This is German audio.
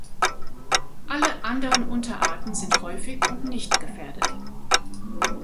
Alle anderen Unterarten sind häufig und nicht gefährdet.